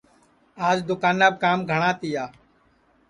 آج دؔوکاناپ کام گھٹؔا تیا